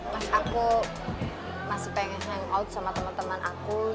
mas aku masih pengen hangout sama temen temen aku